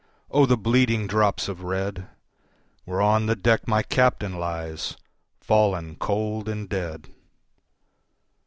5 O the bleeding drops of red! Where on the deck my Captain lies, Fallen cold and dead.